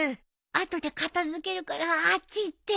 後で片付けるからあっち行って。